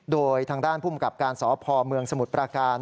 โดยทางด้านภูมิกับการสพเมืองสมุทรประการ